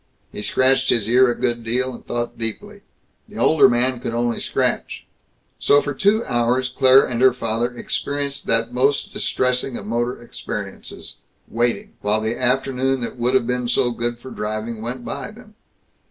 He scratched his ear a good deal, and thought deeply. The older man could only scratch. So for two hours Claire and her father experienced that most distressing of motor experiences waiting, while the afternoon that would have been so good for driving went by them.